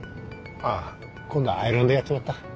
ああ今度はアイロンでやっちまった